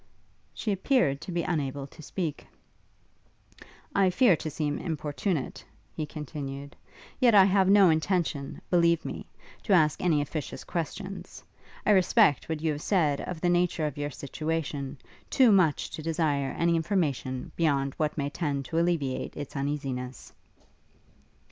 She appeared to be unable to speak. 'I fear to seem importunate,' he continued, 'yet I have no intention, believe me, to ask any officious questions. I respect what you have said of the nature of your situation, too much to desire any information beyond what may tend to alleviate its uneasiness.'